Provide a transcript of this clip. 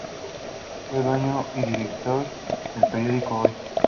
Fue dueño y director del periódico "Hoy".